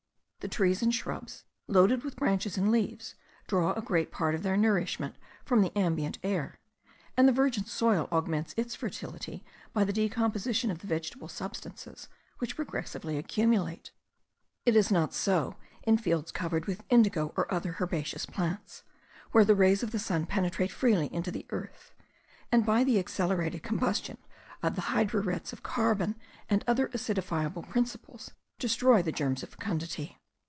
The trees and shrubs, loaded with branches and leaves, draw a great part of their nourishment from the ambient air; and the virgin soil augments its fertility by the decomposition of the vegetable substances which progressively accumulate. It is not so in the fields covered with indigo, or other herbaceous plants; where the rays of the sun penetrate freely into the earth, and by the accelerated combustion of the hydrurets of carbon and other acidifiable principles, destroy the germs of fecundity.